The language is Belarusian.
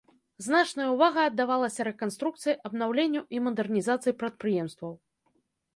Значная ўвага аддавалася рэканструкцыі, абнаўленню і мадэрнізацыі прадпрыемстваў.